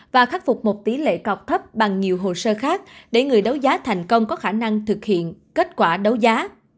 và khắc phục một tỷ lệ cọc thấp bằng nhiều hồ sơ khác để người đấu giá thành công có khả năng thực hiện kết quả đấu giá